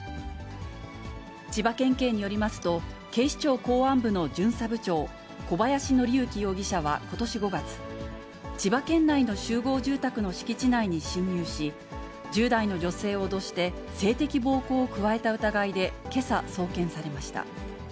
千葉県警によりますと、警視庁公安部の巡査部長、小林徳之容疑者はことし５月、千葉県内の集合住宅の敷地内に侵入し、１０代の女性を脅して性的暴行を加えた疑いで、けさ送検されました。